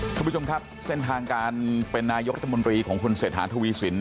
คุณผู้ชมครับเส้นทางการเป็นนายกรัฐมนตรีของคุณเศรษฐาทวีสิน